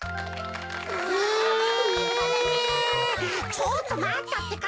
ちょっとまったってか。